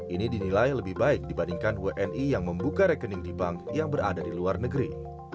ini dinilai lebih baik dibandingkan wni yang membuka rekening di bank yang berada di luar negeri